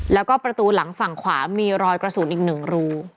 แล้วก็ประตูหลังฝั่งขวามีรอยกระสุนอีก๑รู